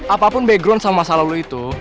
apapun background sama masalah lo itu